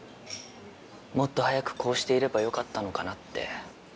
もっと早くこうしていればよかったのかなって